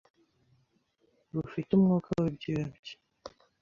rufite umwuka w'ibyuya bye